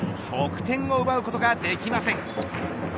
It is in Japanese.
得点を奪うことができません。